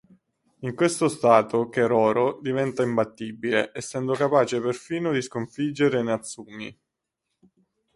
In questo stato, Keroro diventa imbattibile, essendo capace perfino di sconfiggere Natsumi.